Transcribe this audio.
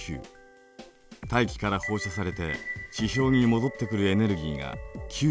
大気から放射されて地表に戻ってくるエネルギーが９５。